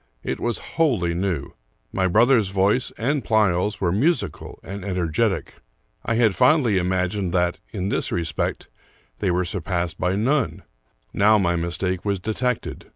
It was wholly new. My brother's voice and Pleyel's were musical and energetic. I had fondly imagined that, in this respect, they were sur passed by none. Now my mistake was detected.